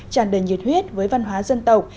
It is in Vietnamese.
tràn đời nhiệt huyết với văn hóa dân tộc